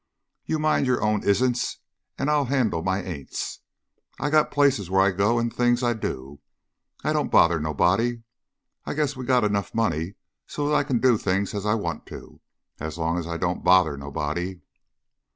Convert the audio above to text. You mind your own 'isn'ts' an' I'll handle my 'ain'ts.' I got places where I go an' things I do an' I don't bother nobody. I guess we got enough money so I can do things I want to, as long as I don't bother nobody."